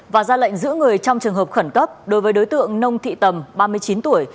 và ra lệnh giữ người trong trường hợp khẩn cấp đối với đối tượng nông thị tầm ba mươi chín tuổi